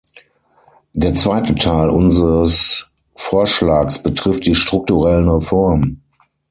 Der zweite Teil unseres Vorschlags betrifft die strukturellen Reformen.